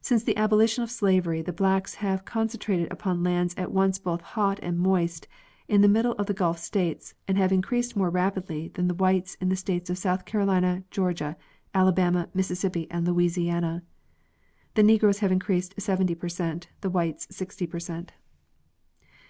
Since the abolition of slavery the blacks have concentrated upon lands at once both hot and moist, in the middle of the Gulf states, and have increased more rapidly than the whites in the states of South Carolina, Georgia, Alabama, Mississippi and Louisiana. The negroes have increased 70 per cent, the whites 60 percent.